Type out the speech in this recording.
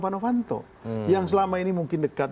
panofanto yang selama ini mungkin dekat